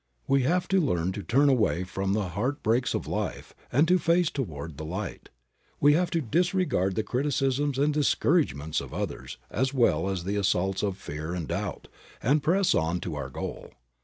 We have to learn to turn away from the heart breaks of life and to face toward the light. We have to disregard the criticisms and the discouragement of others, as well as the assaults of fear and doubt, and press on to our goal.